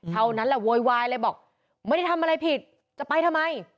เท่านั้นแหละโวยวายเลยบอกไม่ได้ทำอะไรผิดจะไปทำไม